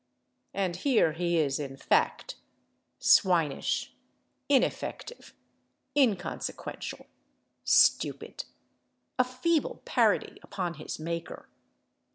And here he is in fact—swinish, ineffective, inconsequential, stupid, a feeble parody upon his maker.